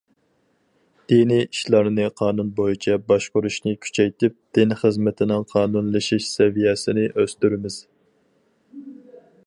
دىنىي ئىشلارنى قانۇن بويىچە باشقۇرۇشنى كۈچەيتىپ، دىن خىزمىتىنىڭ قانۇنلىشىش سەۋىيەسىنى ئۆستۈرىمىز.